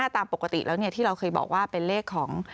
ตามปกติแล้วที่เราเคยบอกว่าเป็นเลขของ